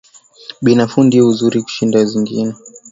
Bei nafuu ndio nzuri kushinda zingine